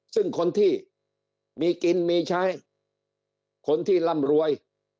ซึ่งคนที่มีกินมีใช้คนที่ร่ำรวย